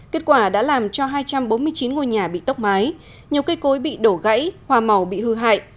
kết quả đã làm cho hai trăm bốn mươi chín ngôi nhà bị tốc mái nhiều cây cối bị đổ gãy hòa màu bị hư hại